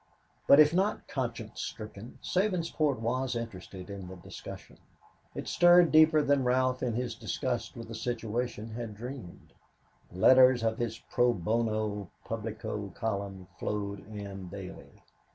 But if not conscience stricken, Sabinsport was interested in the discussion. It stirred deeper than Ralph in his disgust with the situation had dreamed. Letters to his Pro Bono Publico column flowed in daily.